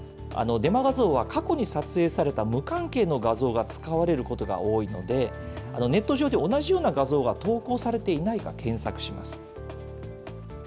デマ画像は過去に撮影された無関係の画像が使われることが多いので、ネット上で同じような画像が投稿されていないか検索します。